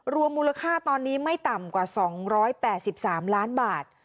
รวมมูลค่าตอนนี้ไม่ต่ำกว่า๒๘๓ล้านบาท